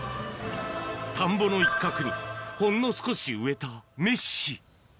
田んぼの一角にほんの少し植えたメッシ。